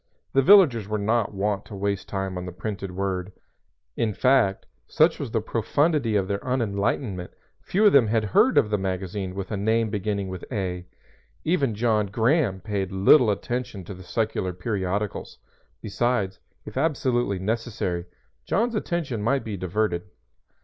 The villagers were not wont to waste time on the printed word; in fact, such was the profundity of their unenlightenment, few of them had heard of the magazine with a name beginning with "A." Even John Graham paid little attention to the secular periodicals; besides, if absolutely necessary, John's attention might be diverted.